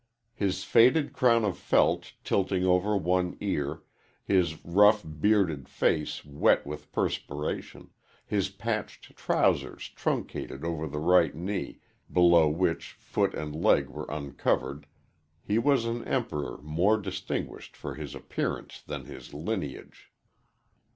His faded crown of felt tilting over one ear, his rough, bearded face wet with perspiration, his patched trousers truncated over the right knee, below which foot and leg were uncovered, he was an emperor more distinguished for his appearance than his lineage.